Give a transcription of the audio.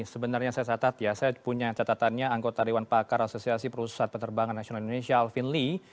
sebenarnya saya catat ya saya punya catatannya anggota dewan pakar asosiasi perusahaan penerbangan nasional indonesia alvin lee